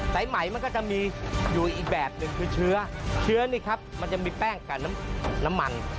สายไหมมันก็จะมีอยู่อีกแบบหนึ่งคือเชื้อเชื้อนี่ครับมันจะมีแป้งกับน้ำมัน